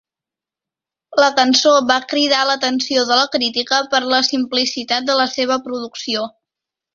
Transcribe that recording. La cançó va cridar l'atenció de la crítica per la simplicitat de la seva producció.